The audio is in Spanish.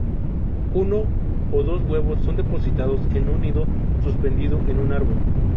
Uno o dos huevos son depositados en un nido suspendido en un árbol.